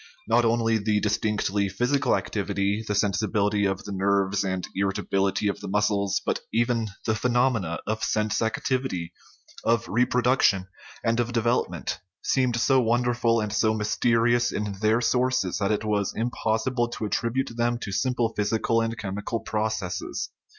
Not only the distinctly psychical activ ity, the sensibility of the nerves and the irritability of the muscles, but even the phenomena of sense activity, of reproduction, and of development seemed so won derful and so mysterious in their sources that it was im possible to attribute them to simple physical and chem ical processes.